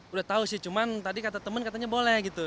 udah tau sih cuman tadi kata temen katanya boleh gitu